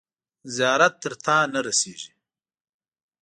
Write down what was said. زیارت تر تاته نه رسیږي.